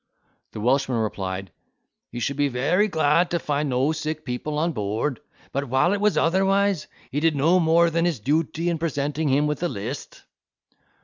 The Welshman replied, "he should be very glad to find no sick people on board: but, while it was otherwise, he did no more than his duty in presenting him with a list."